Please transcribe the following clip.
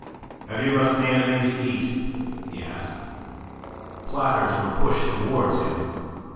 "Have you left me anything to eat?" he asked. Platters were pushed towards him.